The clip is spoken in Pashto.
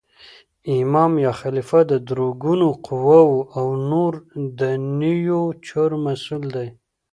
امام یا خلیفه د درو ګونو قوواو او نور دنیوي چارو مسول دی.